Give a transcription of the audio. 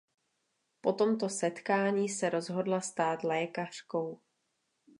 Po tomto setkání se rozhodla stát lékařkou.